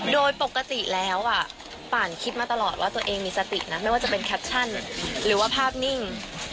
โดยปกติแล้วป่านคิดมาตลอดว่าตัวเองมีสตินะไม่ว่าจะเป็นแคปชั่นหรือว่าภาพนิ่ง